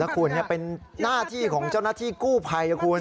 คุณเป็นหน้าที่ของเจ้าหน้าที่กู้ภัยนะคุณ